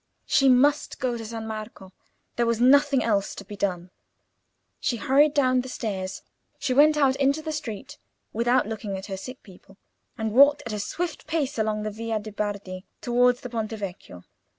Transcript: She must go to San Marco: there was nothing else to be done. She hurried down the stairs, she went out into the street without looking at her sick people, and walked at a swift pace along the Via de' Bardi towards the Ponte Vecchio.